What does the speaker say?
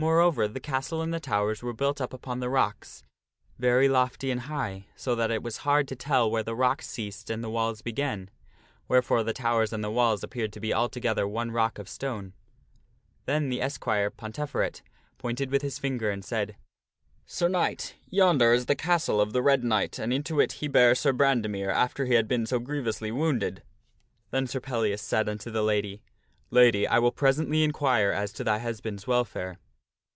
Moreover the castle and the towers were built up upon the rocks, very lofty and high, so that it was hard to tell where the rocks ceased and the walls began, wherefore the towers and the walls appeared to be altogether one rock of stone. Then the esquire, Ponteferet, pointed with his finger, and said, " Sir Knight, yonder is the castle of the Red Knight, and into it he bare Sir Brandemere after he had been so grievously wounded." Then Sir Pellias said unto the lady, " Lady, I will presently inquire as to thy husband's welfare."